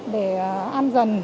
để ăn dần